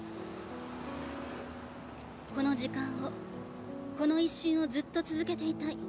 この時間をこの一瞬をずっと続けていたい。